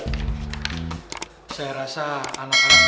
saya rasa anak anak udah cukup siap pak